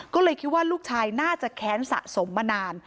ก็เลยคิดว่าลูกชายน่าจะแค้นสะสมมานาน